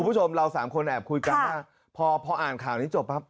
ผมแอบคุยกัน